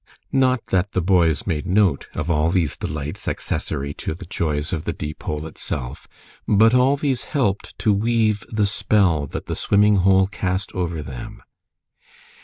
Not that the boys made note of all these delights accessory to the joys of the Deepole itself, but all these helped to weave the spell that the swimming hole cast over them.